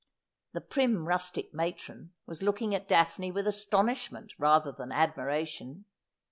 The prim rustic matron was looking at Daphne with astonishment rather than admiration.